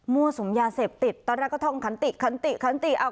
สุมยาเสพติดตอนแรกก็ท่องขันติขันติขันติเอา